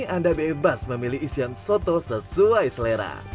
anda bebas memilih isian soto sesuai selera